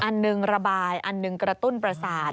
อันหนึ่งระบายอันหนึ่งกระตุ้นประสาท